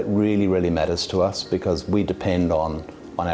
karena kita bergantung pada reputasi kita untuk makanan dan keamanan